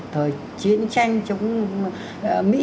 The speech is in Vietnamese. thời chiến tranh chống mỹ